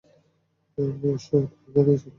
অশ্ব তাকে নিয়ে চলছিল আপন মনে।